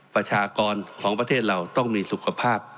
ประชากรของประเทศเราต้องมีสุขภาพ